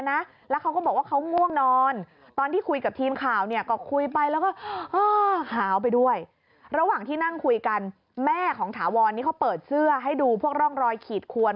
แม่ของถาวรนี่เขาเปิดเสื้อให้ดูพวกร่องรอยขีดขวน